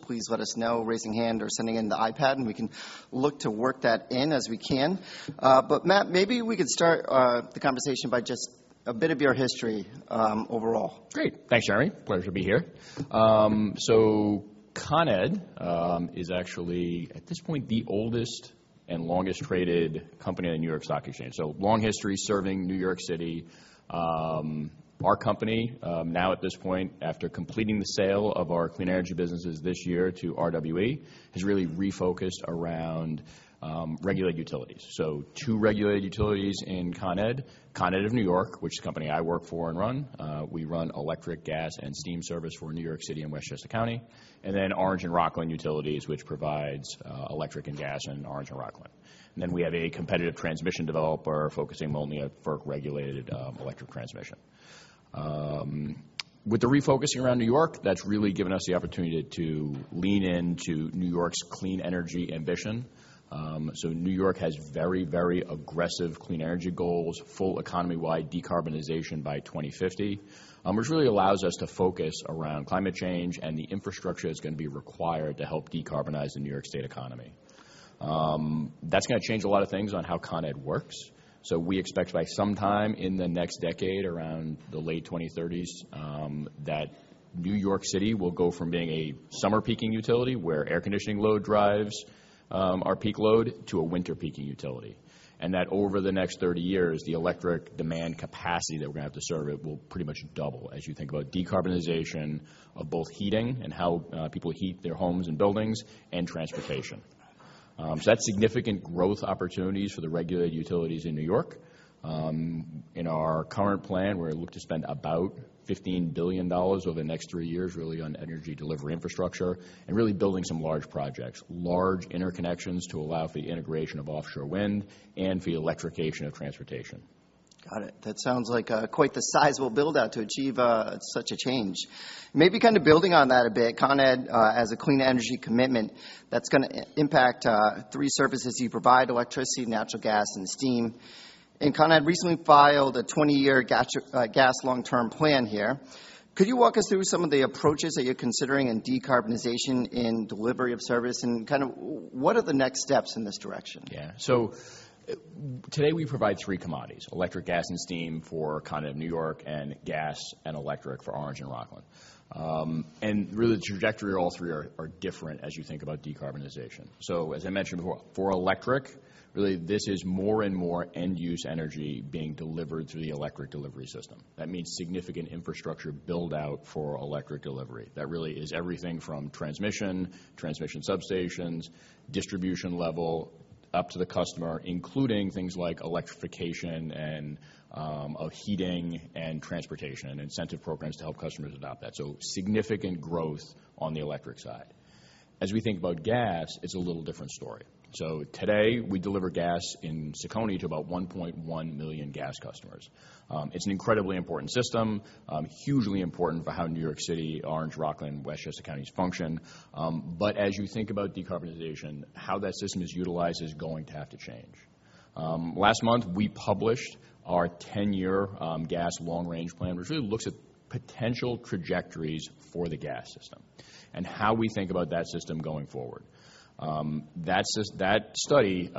Please let us know, raising hand or sending in the iPad, and we can look to work that in as we can. Matt, maybe we could start the conversation by just a bit of your history overall. Great. Thanks, Jerry. Pleasure to be here. Con Ed is actually, at this point, the oldest and longest-traded company on the New York Stock Exchange. Long history serving New York City. Our company, now at this point, after completing the sale of our clean energy businesses this year to RWE, has really refocused around regulated utilities. Two regulated utilities in Con Ed of New York, which is the company I work for and run. We run electric, gas, and steam service for New York City and Westchester County. Orange and Rockland Utilities, which provides electric and gas in Orange and Rockland. We have a competitive transmission developer focusing only on FERC-regulated electric transmission. With the refocusing around New York, that's really given us the opportunity to lean into New York's clean energy ambition. New York has very, very aggressive clean energy goals, full economy-wide decarbonization by 2050. Which really allows us to focus around climate change and the infrastructure that's going to be required to help decarbonize the New York State economy. That's gonna change a lot of things on how Con Ed works. We expect by sometime in the next decade, around the late 2030s, that New York City will go from being a summer peaking utility, where air conditioning load drives our peak load, to a winter peaking utility. That over the next 30 years, the electric demand capacity that we're gonna have to serve it will pretty much double as you think about decarbonization of both heating and how people heat their homes and buildings and transportation. That's significant growth opportunities for the regulated utilities in New York. In our current plan, we look to spend about $15 billion over the next 3 years, really on energy delivery infrastructure and really building some large projects, large interconnections to allow for the integration of offshore wind and for the electrification of transportation. Got it. That sounds like quite the sizable build-out to achieve such a change. Maybe kind of building on that a bit, Con Ed has a clean energy commitment that's gonna impact three services you provide: electricity, natural gas, and steam. Con Ed recently filed a 20-year GACP, Gas Long-Term Plan here. Could you walk us through some of the approaches that you're considering in decarbonization, in delivery of service, and kind of what are the next steps in this direction? Yeah. Today, we provide three commodities: electric, gas, and steam for Con Ed of New York, and gas and electric for Orange and Rockland. Really, the trajectory of all three are different as you think about decarbonization. As I mentioned before, for electric, really, this is more and more end-use energy being delivered through the electric delivery system. That means significant infrastructure build-out for electric delivery. That really is everything from transmission substations, distribution level, up to the customer, including things like electrification and of heating and transportation, and incentive programs to help customers adopt that. Significant growth on the electric side. As we think about gas, it's a little different story. Today, we deliver gas in CECONY to about $1.1 million gas customers. It's an incredibly important system, hugely important for how New York City, Orange, Rockland, Westchester counties function. As you think about decarbonization, how that system is utilized is going to have to change. Last month, we published our 10-year Gas Long Range Plan, which really looks at potential trajectories for the gas system and how we think about that system going forward. That study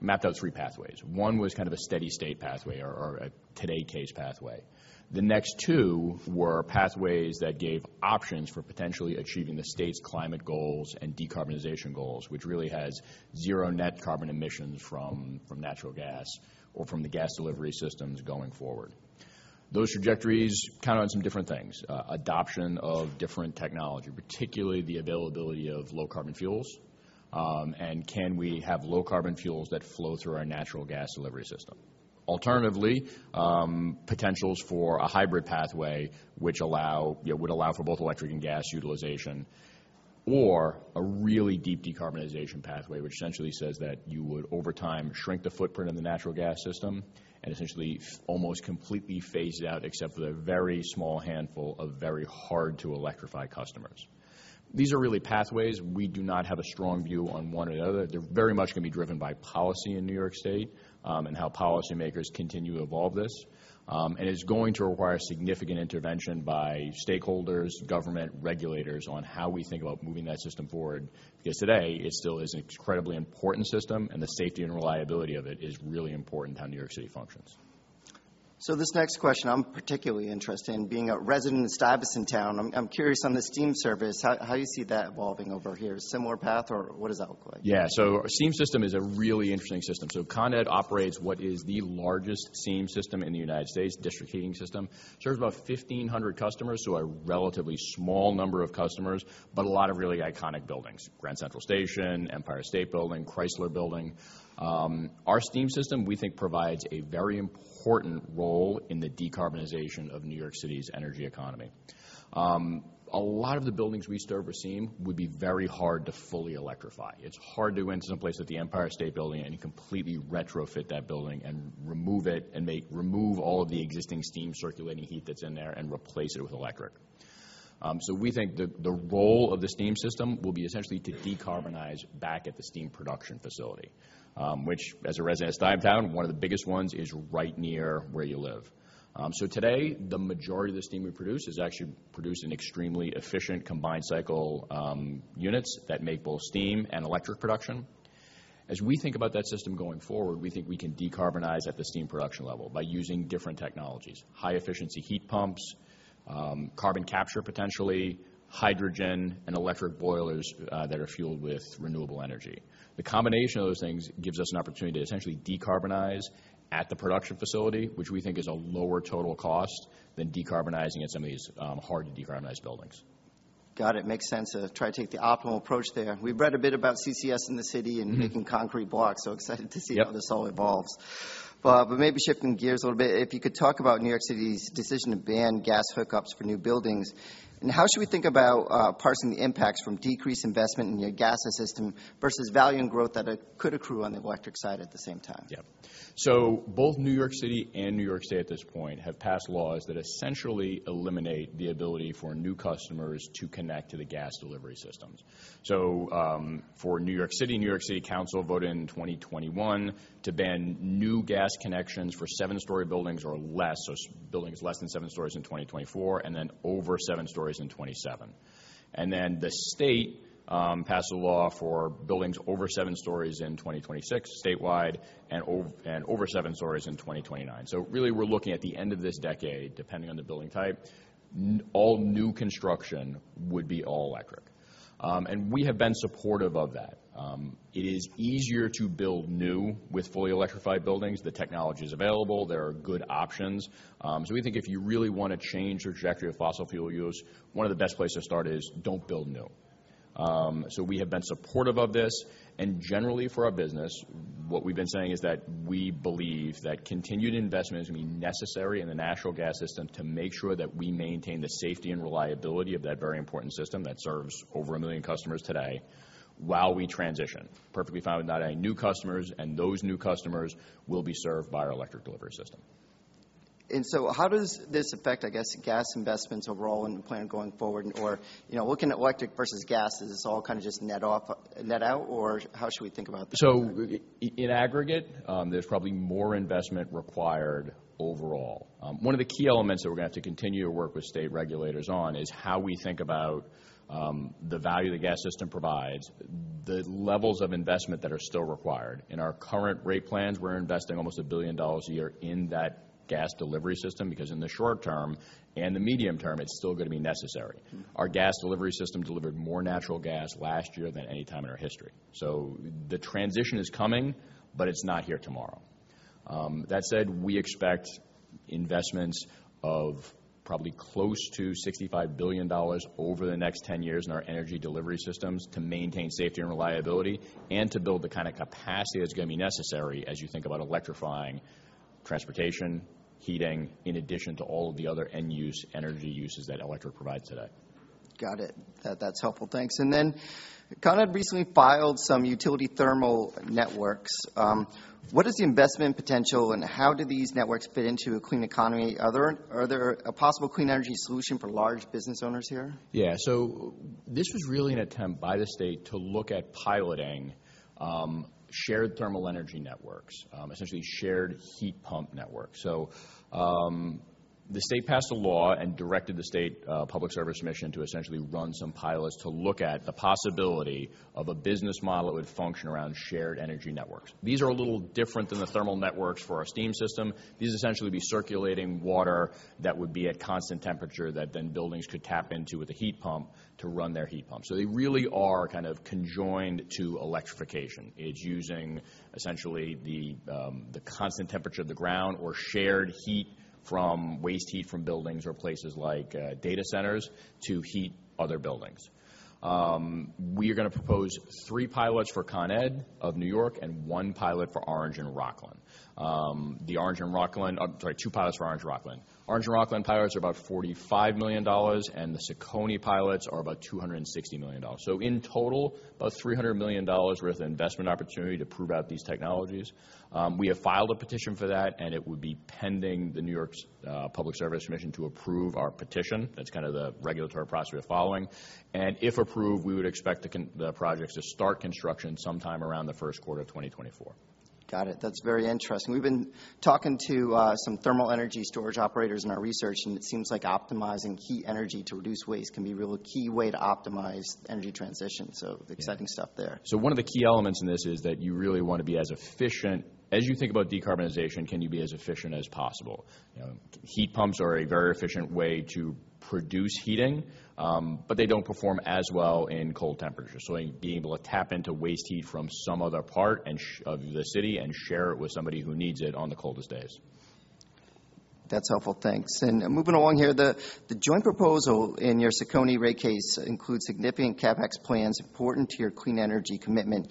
mapped out three pathways. was kind of a steady state pathway or a today case pathway. The next two were pathways that gave options for potentially achieving the state's climate goals and decarbonization goals, which really has 0 net carbon emissions from natural gas or from the gas delivery systems going forward. Those trajectories count on some different things, adoption of different technology, particularly the availability of low carbon fuels. Can we have low carbon fuels that flow through our natural gas delivery system? Alternatively, potentials for a hybrid pathway which would allow for both electric and gas utilization or a really deep decarbonization pathway, which essentially says that you would, over time, shrink the footprint of the natural gas system and essentially almost completely phase it out, except for a very small handful of very hard-to-electrify customers. These are really pathways. We do not have a strong view on one or the other. They're very much going to be driven by policy in New York State, and how policymakers continue to evolve this. It's going to require significant intervention by stakeholders, government, regulators on how we think about moving that system forward, because today it still is an incredibly important system, and the safety and reliability of it is really important how New York City functions. This next question, I'm particularly interested in, being a resident of Stuyvesant Town. I'm curious on the steam service, how you see that evolving over here? Similar path or what does that look like? Yeah. Steam system is a really interesting system. Con Ed operates what is the largest steam system in the United States, district heating system. Serves about 1,500 customers, a relatively small number of customers, a lot of really iconic buildings: Grand Central Station, Empire State Building, Chrysler Building. Our steam system, we think, provides a very important role in the decarbonization of New York City's energy economy. A lot of the buildings we serve with steam would be very hard to fully electrify. It's hard to go into some place like the Empire State Building and completely retrofit that building and remove it, remove all of the existing steam circulating heat that's in there and replace it with electric. We think the role of the steam system will be essentially to decarbonize back at the steam production facility, which, as a resident of StuyTown, one of the biggest ones is right near where you live. Today, the majority of the steam we produce is actually produced in extremely efficient combined cycle units that make both steam and electric production. As we think about that system going forward, we think we can decarbonize at the steam production level by using different technologies, high-efficiency heat pumps, carbon capture, potentially, hydrogen and electric boilers that are fueled with renewable energy. The combination of those things gives us an opportunity to essentially decarbonize at the production facility, which we think is a lower total cost than decarbonizing at some of these hard-to-decarbonize buildings. Got it. Makes sense to try to take the optimal approach there. We've read a bit about CCS in the city-. Mm-hmm. Making concrete blocks, so excited to see. Yep. -how this all evolves. Maybe shifting gears a little bit, if you could talk about New York City's decision to ban gas hookups for new buildings. How should we think about parsing the impacts from decreased investment in your gas system versus value and growth that could accrue on the electric side at the same time? Both New York City and New York State at this point, have passed laws that essentially eliminate the ability for new customers to connect to the gas delivery systems. For New York City, New York City Council voted in 2021 to ban new gas connections for 7-story buildings or less, so buildings less than 7 stories in 2024, and then over 7 stories in 2027. The state passed a law for buildings over 7 stories in 2026 statewide and over 7 stories in 2029. Really, we're looking at the end of this decade, depending on the building type, all new construction would be all electric. And we have been supportive of that. It is easier to build new with fully electrified buildings. The technology is available. There are good options. We think if you really want to change the trajectory of fossil fuel use, one of the best places to start is don't build new. We have been supportive of this, and generally for our business, what we've been saying is that we believe that continued investment is going to be necessary in the natural gas system to make sure that we maintain the safety and reliability of that very important system that serves over a million customers today while we transition. Perfectly fine with not adding new customers, and those new customers will be served by our electric delivery system. How does this affect, I guess, gas investments overall in the plan going forward? You know, looking at electric versus gas, is this all kind of just net off, net out, or how should we think about that? In aggregate, there's probably more investment required overall. One of the key elements that we're going to have to continue to work with state regulators on is how we think about the value the gas system provides, the levels of investment that are still required. In our current rate plans, we're investing almost $1 billion a year in that gas delivery system, because in the short term and the medium term, it's still going to be necessary. Our gas delivery system delivered more natural gas last year than any time in our history. The transition is coming, but it's not here tomorrow. That said, we expect investments of probably close to $65 billion over the next 10 years in our energy delivery systems to maintain safety and reliability, and to build the kind of capacity that's going to be necessary as you think about electrifying transportation, heating, in addition to all of the other end-use energy uses that electric provides today. Got it. That's helpful. Thanks. Con Ed recently filed some Utility Thermal Networks. What is the investment potential, and how do these networks fit into a clean economy? Are there a possible clean energy solution for large business owners here? This was really an attempt by the state to look at piloting shared thermal energy networks, essentially shared heat pump networks. The state passed a law and directed the state Public Service Commission to essentially run some pilots to look at the possibility of a business model that would function around shared energy networks. These are a little different than the thermal networks for our steam system. These essentially would be circulating water that would be at constant temperature, that then buildings could tap into with a heat pump to run their heat pump. They really are kind of conjoined to electrification. It's using essentially the constant temperature of the ground or shared heat from waste heat from buildings or places like data centers to heat other buildings. We are gonna propose three pilots for Con Ed of New York and one pilot for Orange and Rockland. Sorry, two pilots for Orange and Rockland. Orange and Rockland pilots are about $45 million, and the CECONY pilots are about $260 million. So in total, about $300 million worth of investment opportunity to prove out these technologies. We have filed a petition for that, and it would be pending the New York's Public Service Commission to approve our petition. That's kind of the regulatory process we are following. If approved, we would expect the projects to start construction sometime around the Q1 of 2024. Got it. That's very interesting. We've been talking to some thermal energy storage operators in our research, and it seems like optimizing heat energy to reduce waste can be a really key way to optimize energy transition. Yeah. exciting stuff there. One of the key elements in this is that you really want to be as efficient. As you think about decarbonization, can you be as efficient as possible? Heat pumps are a very efficient way to produce heating, but they don't perform as well in cold temperatures. Being able to tap into waste heat from some other part of the city, and share it with somebody who needs it on the coldest days. That's helpful. Thanks. Moving along here, the Joint Proposal in your CECONY rate case includes significant CapEx plans important to your clean energy commitment.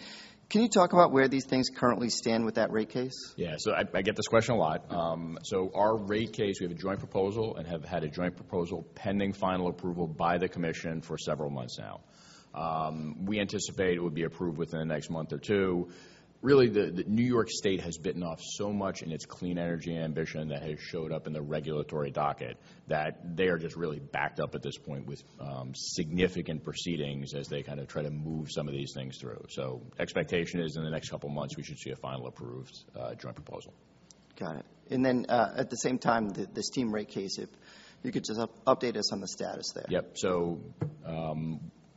Can you talk about where these things currently stand with that rate case? Yeah. I get this question a lot. Our rate case, we have a Joint Proposal and have had a Joint Proposal pending final approval by the Commission for several months now. We anticipate it will be approved within the next month or two. Really, the New York State has bitten off so much in its clean energy ambition that has showed up in the regulatory docket, that they are just really backed up at this point with significant proceedings as they kind of try to move some of these things through. Expectation is in the next couple of months, we should see a final approved Joint Proposal. Got it. At the same time, the steam rate case, if you could just update us on the status there. Yep.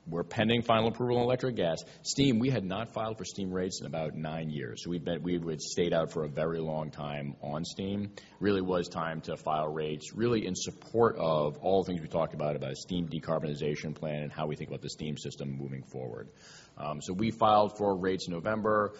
We're pending final approval on electric gas. Steam, we had not filed for steam rates in about nine years. We had stayed out for a very long time on steam. Really, it was time to file rates, really, in support of all the things we talked about a steam decarbonization plan and how we think about the steam system moving forward. We filed for rates in November.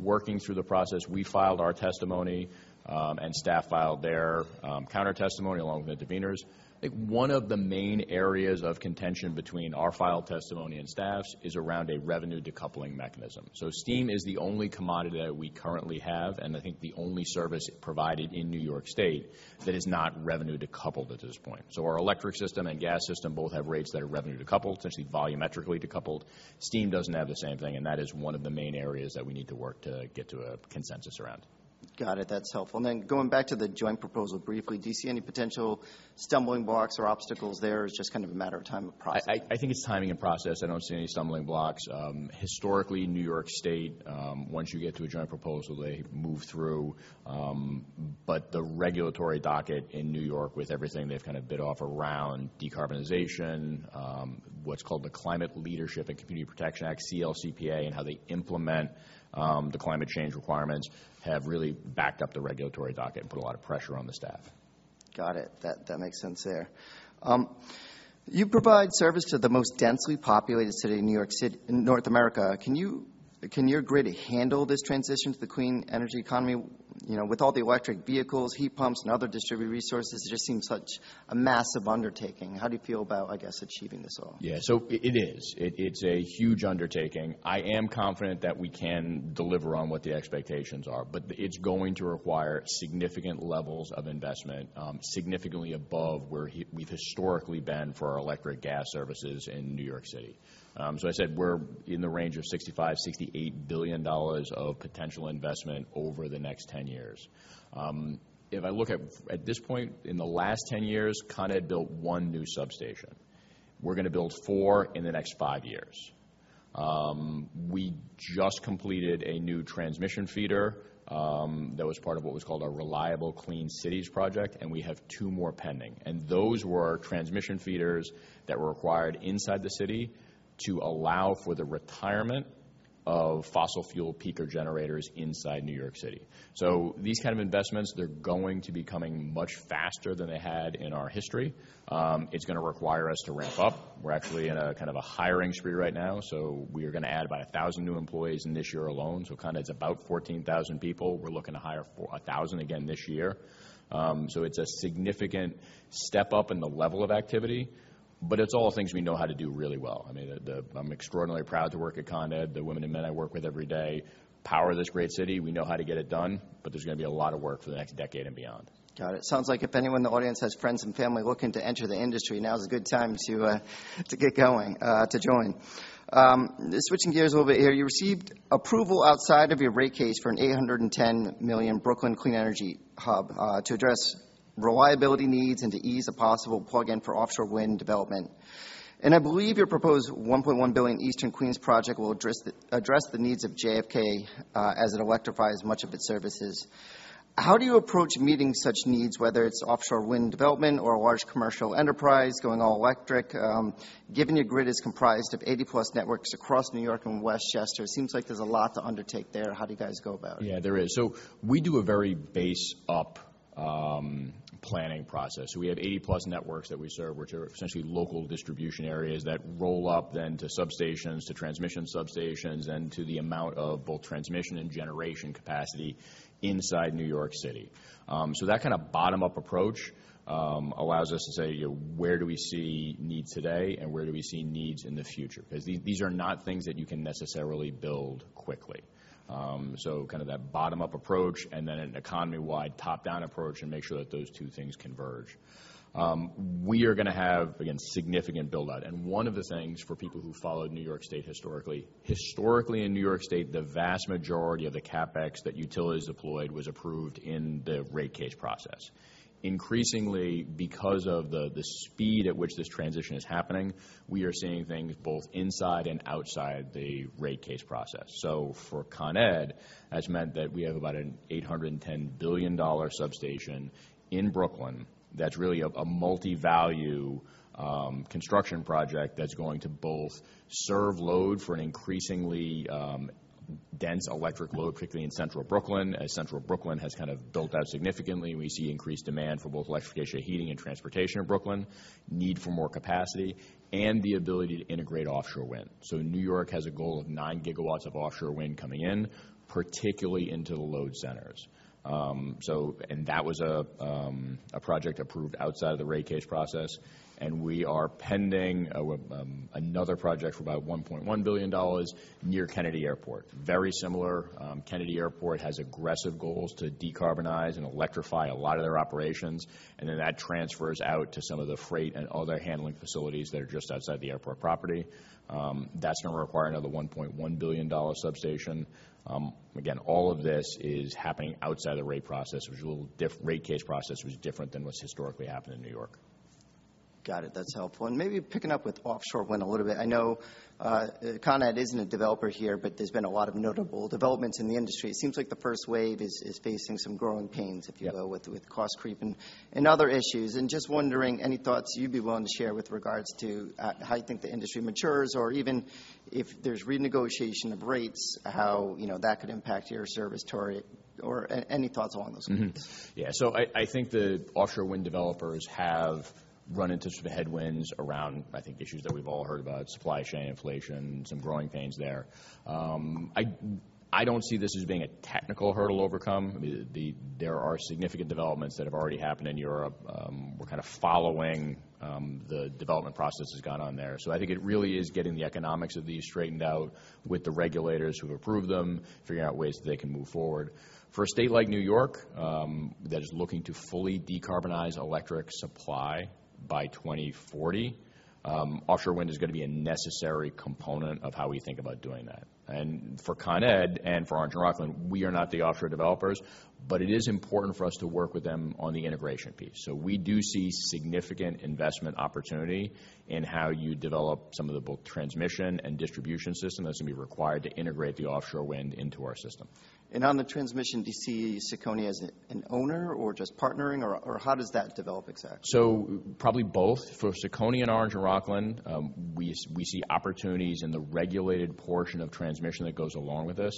Working through the process, we filed our testimony, and staff filed their counter testimony along with the interveners. I think one of the main areas of contention between our filed testimony and staff's is around a revenue decoupling mechanism. Steam is the only commodity that we currently have, and I think the only service provided in New York State that is not revenue decoupled at this point. Our electric system and gas system both have rates that are revenue decoupled, essentially volumetrically decoupled. Steam doesn't have the same thing, and that is one of the main areas that we need to work to get to a consensus around. Got it. That's helpful. Going back to the Joint Proposal briefly, do you see any potential stumbling blocks or obstacles there, or it's just kind of a matter of time and process? I think it's timing and process. I don't see any stumbling blocks. Historically, New York State, once you get to a Joint Proposal, they move through. The regulatory docket in New York, with everything they've kind of bit off around decarbonization, what's called the Climate Leadership and Community Protection Act, CLCPA, and how they implement the climate change requirements, have really backed up the regulatory docket and put a lot of pressure on the staff. Got it. That makes sense there. You provide service to the most densely populated city in North America. Can your grid handle this transition to the clean energy economy? You know, with all the electric vehicles, heat pumps, and other distributed resources, it just seems such a massive undertaking. How do you feel about, I guess, achieving this all? It is. It's a huge undertaking. I am confident that we can deliver on what the expectations are. It's going to require significant levels of investment, significantly above where we've historically been for our electric gas services in New York City. I said we're in the range of $65 billion-$68 billion of potential investment over the next 10 years. If I look at this point, in the last 10 years, Con Ed built 1 new substation. We're going to build 4 in the next 5 years. We just completed a new transmission feeder that was part of what was called our Reliable Clean Cities project, and we have 2 more pending. Those were our transmission feeders that were required inside the city to allow for the retirement of fossil fuel peaker generators inside New York City. These kind of investments, they're going to be coming much faster than they had in our history. It's going to require us to ramp up. We're actually in a, kind of a hiring spree right now, so we are going to add about 1,000 new employees in this year alone. Con Ed is about 14,000 people. We're looking to hire for 1,000 again this year. It's a significant step up in the level of activity, but it's all things we know how to do really well. I mean, I'm extraordinarily proud to work at Con Ed. The women and men I work with every day power this great city. We know how to get it done, but there's going to be a lot of work for the next decade and beyond. Got it. Sounds like if anyone in the audience has friends and family looking to enter the industry, now is a good time to get going, to join. Switching gears a little bit here, you received approval outside of your rate case for an $810 million Brooklyn Clean Energy Hub to address reliability needs and to ease a possible plug-in for offshore wind development. I believe your proposed $1.1 billion Eastern Queens project will address the needs of JFK as it electrifies much of its services. How do you approach meeting such needs, whether it's offshore wind development or a large commercial enterprise going all electric? Given your grid is comprised of 80-plus networks across New York and Westchester, it seems like there's a lot to undertake there. How do you guys go about it? Yeah, there is. We do a very base-up planning process. We have 80-plus networks that we serve, which are essentially local distribution areas that roll up then to substations, to transmission substations, and to the amount of both transmission and generation capacity inside New York City. That kind of bottom-up approach allows us to say, where do we see needs today, and where do we see needs in the future? Because these are not things that you can necessarily build quickly. Kind of that bottom-up approach and then an economy-wide top-down approach, and make sure that those two things converge. We are going to have, again, significant build out. One of the things for people who followed New York State historically in New York State, the vast majority of the CapEx that utilities deployed was approved in the rate case process. Increasingly, because of the speed at which this transition is happening, we are seeing things both inside and outside the rate case process. For Con Ed, that's meant that we have about a $810 billion substation in Brooklyn that's really a multi-value construction project that's going to both serve load for an increasingly dense electric load, particularly in Central Brooklyn. As Central Brooklyn has kind of built out significantly, we see increased demand for both electrification of heating and transportation in Brooklyn, need for more capacity, and the ability to integrate offshore wind. New York has a goal of nine gigawatts of offshore wind coming in, particularly into the load centers. That was a project approved outside of the rate case process, and we are pending another project for about $1.1 billion near Kennedy Airport. Very similar, Kennedy Airport has aggressive goals to decarbonize and electrify a lot of their operations, that transfers out to some of the freight and other handling facilities that are just outside the airport property. That's going to require another $1.1 billion substation. Again, all of this is happening outside of the rate case process, which is different than what's historically happened in New York. Got it. That's helpful. Maybe picking up with offshore wind a little bit. I know Con Ed isn't a developer here, but there's been a lot of notable developments in the industry. It seems like the first wave is facing some growing pains, if you will. Yeah. with cost creeping and other issues. Just wondering, any thoughts you'd be willing to share with regards to how you think the industry matures, or even if there's renegotiation of rates, how, you know, that could impact your service territory, or any thoughts along those lines? Yeah, I think the offshore wind developers have run into some headwinds around, I think, issues that we've all heard about, supply chain inflation, some growing pains there. I don't see this as being a technical hurdle overcome. I mean, there are significant developments that have already happened in Europe. We're kind of following the development processes gone on there. I think it really is getting the economics of these straightened out with the regulators who approve them, figuring out ways that they can move forward. For a state like New York that is looking to fully decarbonize electric supply by 2040, offshore wind is gonna be a necessary component of how we think about doing that. For Con Ed and for Orange and Rockland, we are not the offshore developers, but it is important for us to work with them on the integration piece. We do see significant investment opportunity in how you develop some of the both transmission and distribution system that's going to be required to integrate the offshore wind into our system. On the transmission, do you see CECONY as an owner or just partnering, or how does that develop exactly? Probably both. For CECONY and Orange and Rockland, we see opportunities in the regulated portion of transmission that goes along with this.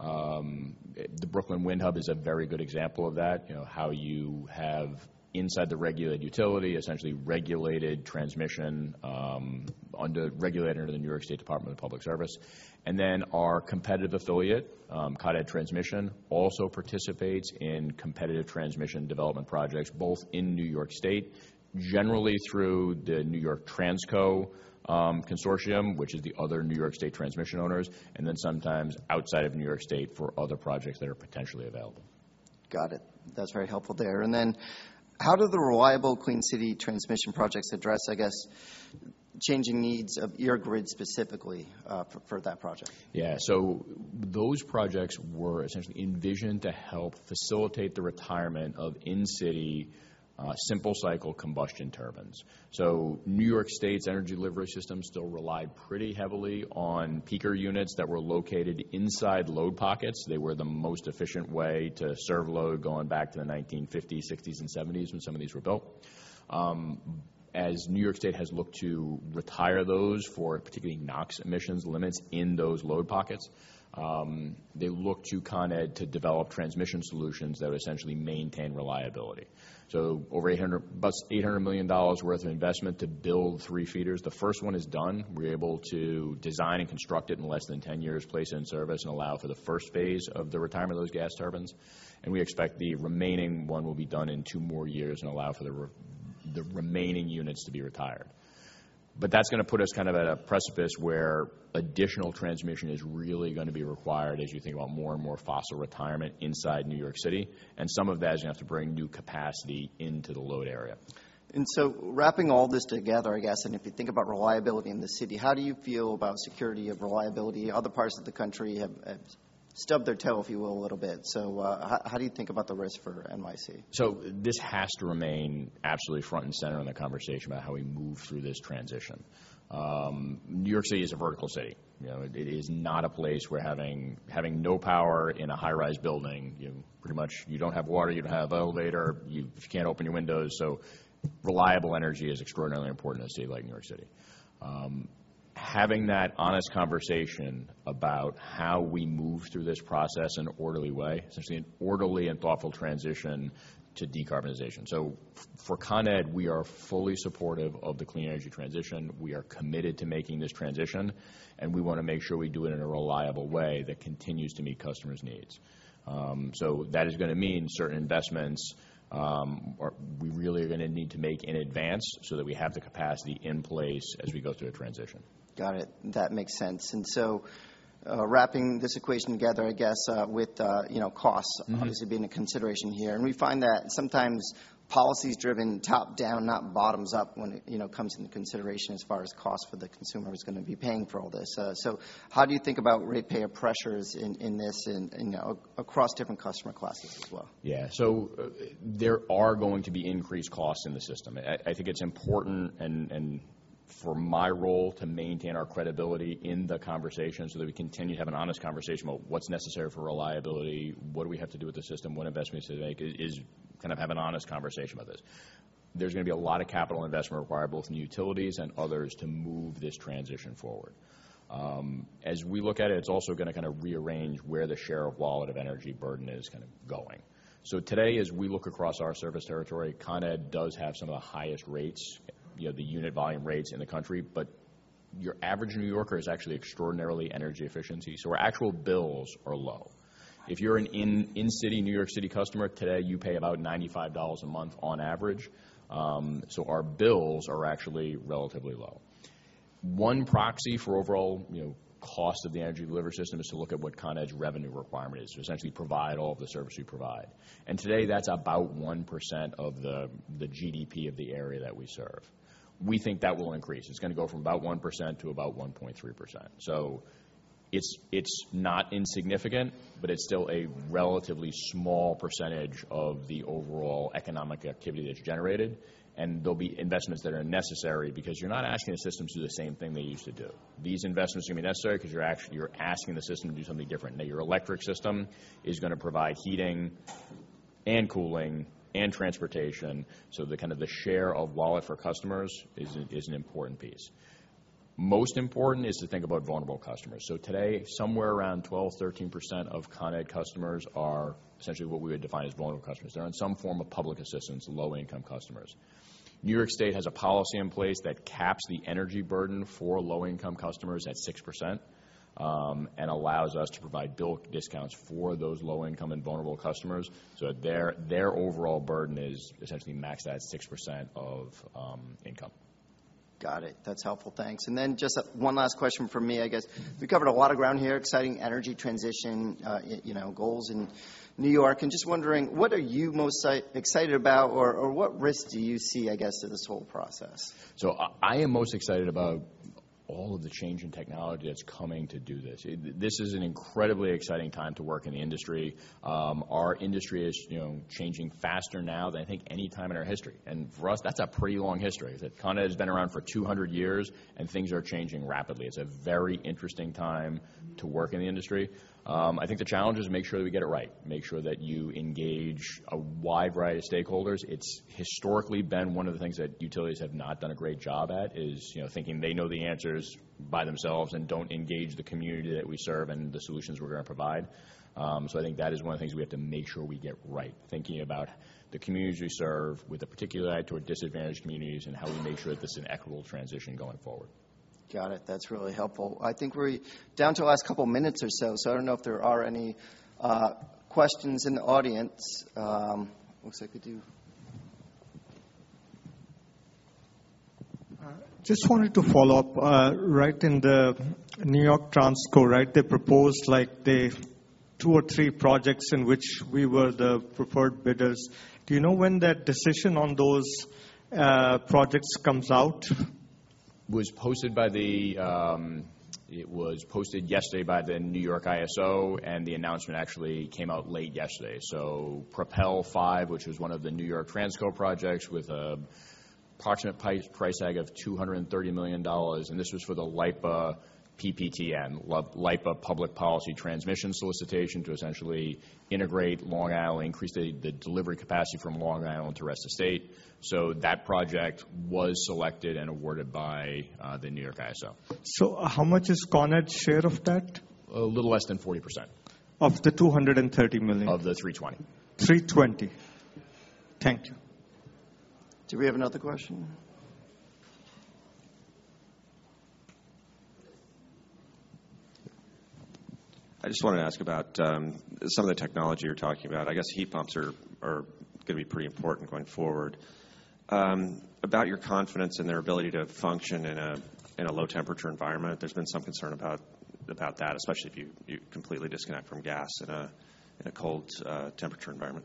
The Brooklyn Wind Hub is a very good example of that, you know, how you have inside the regulated utility, essentially regulated transmission, under the New York State Department of Public Service. Our competitive affiliate, Con Edison Transmission, also participates in competitive transmission development projects, both in New York State, generally through the New York Transco Consortium, which is the other New York State transmission owners, and then sometimes outside of New York State for other projects that are potentially available. Got it. That's very helpful there. And then how do the Reliable Clean Cities transmission projects address, I guess, changing needs of your grid specifically, for that project? Those projects were essentially envisioned to help facilitate the retirement of in-city simple cycle combustion turbines. New York State's energy delivery system still relied pretty heavily on peaker units that were located inside load pockets. They were the most efficient way to serve load going back to the 1950s, 1960s, and 1970s, when some of these were built. As New York State has looked to retire those for particularly NOx emissions limits in those load pockets, they looked to Con Ed to develop transmission solutions that would essentially maintain reliability. Over $800 million+ worth of investment to build 3 feeders. The first one is done. We're able to design and construct it in less than 10 years, place it in service, and allow for the first phase of the retirement of those gas turbines. We expect the remaining one will be done in two more years and allow for the remaining units to be retired. That's gonna put us kind of at a precipice where additional transmission is really gonna be required as you think about more and more fossil retirement inside New York City, and some of that is gonna have to bring new capacity into the load area. Wrapping all this together, I guess, and if you think about reliability in the city, how do you feel about security of reliability? Other parts of the country have stubbed their toe, if you will, a little bit. How do you think about the risk for NYC? This has to remain absolutely front and center in the conversation about how we move through this transition. New York City is a vertical city. You know, it is not a place where having no power in a high-rise building, you pretty much. You don't have water, you don't have elevator, you can't open your windows, so reliable energy is extraordinarily important in a city like New York City. Having that honest conversation about how we move through this process in an orderly way, essentially an orderly and thoughtful transition to decarbonization. For Con Ed, we are fully supportive of the clean energy transition. We are committed to making this transition, and we want to make sure we do it in a reliable way that continues to meet customers' needs. That is gonna mean certain investments, or we really are gonna need to make in advance so that we have the capacity in place as we go through a transition. Got it. That makes sense. Wrapping this equation together, I guess, with, you know, costs. Mm-hmm. obviously being a consideration here, we find that sometimes policies driven top-down, not bottoms up, when, you know, it comes into consideration as far as cost for the consumer who's gonna be paying for all this. How do you think about ratepayer pressures in this, in, you know, across different customer classes as well? Yeah. There are going to be increased costs in the system. I think it's important and for my role, to maintain our credibility in the conversation so that we continue to have an honest conversation about what's necessary for reliability, what do we have to do with the system, what investments to make, kind of have an honest conversation about this. There's gonna be a lot of capital investment required, both in utilities and others, to move this transition forward. As we look at it's also gonna kind of rearrange where the share of wallet of energy burden is kind of going. Today, as we look across our service territory, Con Ed does have some of the highest rates, you know, the unit volume rates in the country, but your average New Yorker is actually extraordinarily energy efficiency. Our actual bills are low. If you're an in-city, New York City customer, today, you pay about $95 a month on average. Our bills are actually relatively low. One proxy for overall, you know, cost of the energy delivery system is to look at what Con Ed's revenue requirement is, to essentially provide all of the service we provide. Today, that's about 1% of the GDP of the area that we serve. We think that will increase. It's gonna go from about 1% to about 1.3%. It's not insignificant, but it's still a relatively small percentage of the overall economic activity that's generated, and there'll be investments that are necessary because you're not asking the system to do the same thing they used to do. These investments are gonna be necessary because you're actually asking the system to do something different. Your electric system is gonna provide heating and cooling and transportation, so the kind of the share of wallet for customers is an important piece. Most important is to think about vulnerable customers. Today, somewhere around 12%, 13% of Con Ed customers are essentially what we would define as vulnerable customers. They're on some form of public assistance, low-income customers. New York State has a policy in place that caps the energy burden for low-income customers at 6% and allows us to provide bill discounts for those low-income and vulnerable customers. Their overall burden is essentially maxed at 6% of income. Got it. That's helpful. Thanks. Just one last question from me, I guess. We've covered a lot of ground here, exciting energy transition, you know, goals in New York, just wondering, what are you most excited about, or what risks do you see, I guess, to this whole process? I am most excited about all of the change in technology that's coming to do this. This is an incredibly exciting time to work in the industry. Our industry is, you know, changing faster now than, I think, any time in our history. For us, that's a pretty long history. Con Ed has been around for 200 years, and things are changing rapidly. It's a very interesting time to work in the industry. I think the challenge is to make sure that we get it right, make sure that you engage a wide variety of stakeholders. It's historically been one of the things that utilities have not done a great job at, is, you know, thinking they know the answers by themselves and don't engage the community that we serve and the solutions we're gonna provide. I think that is one of the things we have to make sure we get right, thinking about the communities we serve with a particular eye toward disadvantaged communities and how we make sure that this is an equitable transition going forward. Got it. That's really helpful. I think we're down to our last couple of minutes or so I don't know if there are any questions in the audience. Looks like we do. just wanted to follow up. Right in the New York Transco, right, they proposed, like, the two or three projects in which we were the preferred bidders. Do you know when that decision on those projects comes out? It was posted yesterday by the New York ISO, the announcement actually came out late yesterday. Propel Five, which was one of the New York Transco projects with an approximate price tag of $230 million, this was for the LIPA PPTN, LIPA Public Policy Transmission Solicitation, to essentially integrate Long Island, increase the delivery capacity from Long Island to the rest of the state. That project was selected and awarded by the New York ISO. How much is Con Ed's share of that? A little less than 40%. Of the $230 million? Of the $3.20. 320. Thank you. Do we have another question? I just wanted to ask about some of the technology you're talking about. I guess heat pumps are gonna be pretty important going forward. About your confidence in their ability to function in a low-temperature environment. There's been some concern about that, especially if you completely disconnect from gas in a cold temperature environment.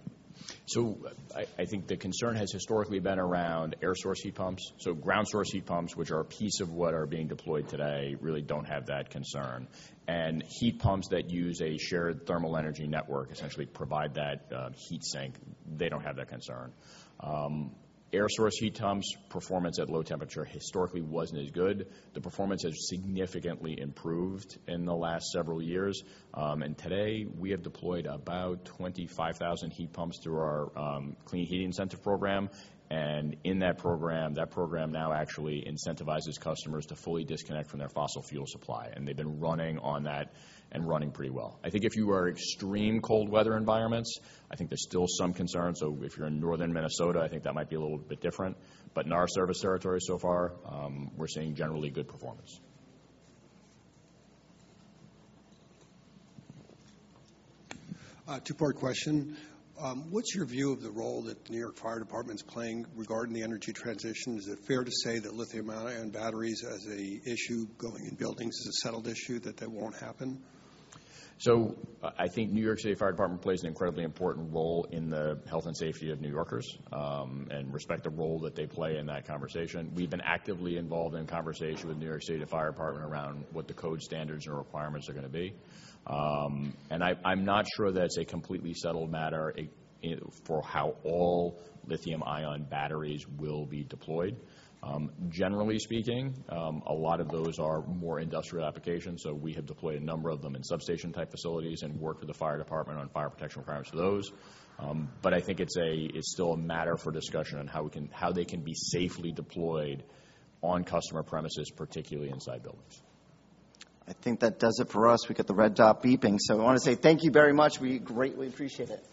I think the concern has historically been around air-source heat pumps. Ground-source heat pumps, which are a piece of what are being deployed today, really don't have that concern. Heat pumps that use a shared thermal energy network essentially provide that heat sink. They don't have that concern. Air-source heat pumps' performance at low temperature historically wasn't as good. The performance has significantly improved in the last several years. Today, we have deployed about 25,000 heat pumps through our Clean Heat Incentive program. In that program, that program now actually incentivizes customers to fully disconnect from their fossil fuel supply. They've been running on that and running pretty well. I think if you are extreme cold weather environments, I think there's still some concern. If you're in northern Minnesota, I think that might be a little bit different. In our service territory so far, we're seeing generally good performance. Two-part question. What's your view of the role that the New York Fire Department is playing regarding the energy transition? Is it fair to say that lithium-ion batteries as a issue going in buildings is a settled issue, that that won't happen? I think New York City Fire Department plays an incredibly important role in the health and safety of New Yorkers and respect the role that they play in that conversation. We've been actively involved in conversation with the New York City Fire Department around what the code standards and requirements are gonna be. I'm not sure that it's a completely settled matter it, you know, for how all lithium-ion batteries will be deployed. Generally speaking, a lot of those are more industrial applications, we have deployed a number of them in substation-type facilities and worked with the fire department on fire protection requirements for those. I think it's still a matter for discussion on how they can be safely deployed on customer premises, particularly inside buildings. I think that does it for us. We got the red dot beeping. I want to say thank you very much. We greatly appreciate it.